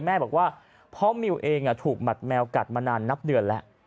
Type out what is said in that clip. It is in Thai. แม่บอกว่าเพราะมิวเองถูกหมัดแมวกัดมานานนับเดือนแล้ว